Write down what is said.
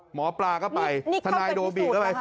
หมอปลาก็ไปทนายโดบิก็ไป